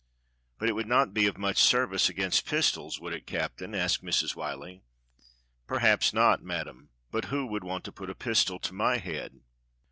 "But it would not be of much service against pistols, would it. Captain.^" asked Mrs. Whyllie. "Perhaps not. Madam, but who would want to put a pistol to my head?"